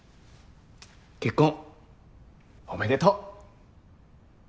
結婚おめでとう。